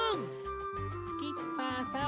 スキッパーさん。